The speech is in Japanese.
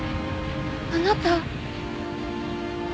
あなた。